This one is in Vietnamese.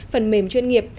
phần mềm chuyên nghiệp